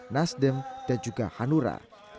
nasdem dan juga hanura